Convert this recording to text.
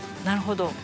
なるほど。